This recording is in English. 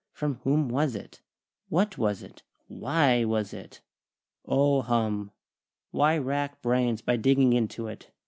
From whom was it? What was it? Why was it? "Oh, hum! Why rack brains by digging into it?"